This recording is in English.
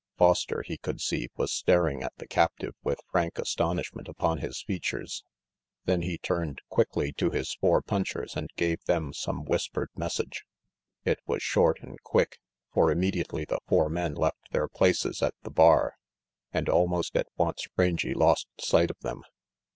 Foster, he could see, was staring at the captive with frank astonishment upon his features, then he turned quickly to his four punchers and gave them some whispered message. It was short and quick, for immediately the four men left their places at the bar and almost at once Rangy lost sight of them.